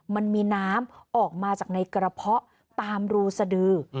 มันมีน้ำออกมาจากในกระเพาะตามรูสดือ